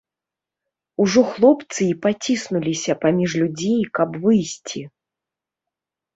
Ужо хлопцы й паціснуліся паміж людзей каб выйсці.